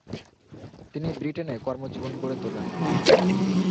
তিনি ব্রিটেনে কর্মজীবন গড়ে তোলেন।